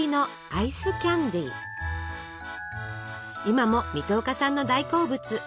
今も水戸岡さんの大好物！